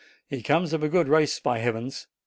He comes of a good race, by Heavens !"